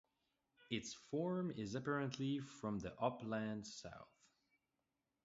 Its form is apparently from the Upland South.